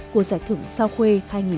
của giải thưởng sao khuê hai nghìn hai mươi